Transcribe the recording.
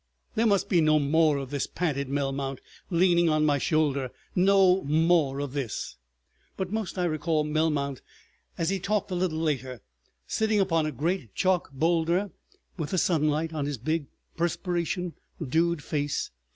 "There must be no more of this," panted Melmount, leaning on my shoulder, "no more of this. ..." But most I recall Melmount as he talked a little later, sitting upon a great chalk boulder with the sunlight on his big, perspiration dewed face.